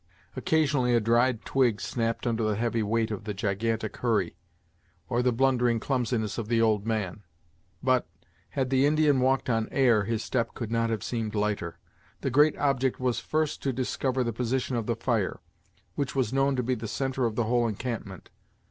Occasionally a dried twig snapped under the heavy weight of the gigantic Hurry, or the blundering clumsiness of the old man; but, had the Indian walked on air, his step could not have seemed lighter. The great object was first to discover the position of the fire, which was known to be the centre of the whole encampment.